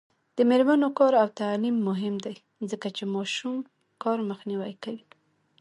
د میرمنو کار او تعلیم مهم دی ځکه چې ماشوم کار مخنیوی کوي.